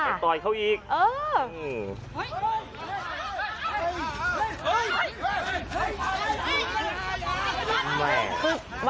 ไปต่อยเขาอีกอืม